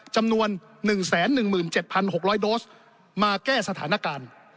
จำนวน๑๑๗๖๐๐โดสมาแก้สถานการณ์